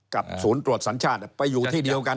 ศูนย์ตรวจสัญชาติไปอยู่ที่เดียวกัน